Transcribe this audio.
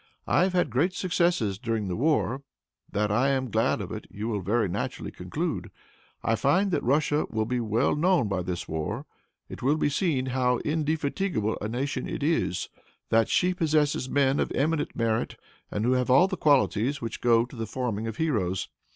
I have had great successes during this war; that I am glad of it, you will very naturally conclude. I find that Russia will be well known by this war. It will be seen how indefatigable a nation it is; that she possesses men of eminent merit, and who have all the qualities which go to the forming of heroes.